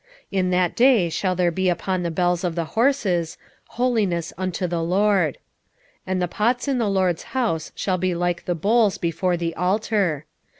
14:20 In that day shall there be upon the bells of the horses, HOLINESS UNTO THE LORD; and the pots in the LORD's house shall be like the bowls before the altar.